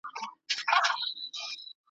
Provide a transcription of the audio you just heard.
ځکه وايي « چي خپل عیب د ولي منځ دی ,